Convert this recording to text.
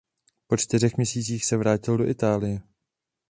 Po čtyřech měsících se vrátil do Itálie.